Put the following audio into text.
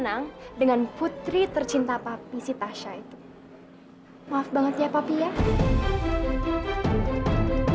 yang deg degan tuh mami disini yang ngejagain pos